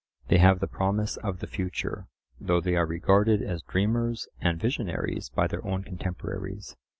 They have the promise of the future, though they are regarded as dreamers and visionaries by their own contemporaries.